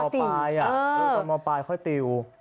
ค่อยติวตอนมปลายค่อยติว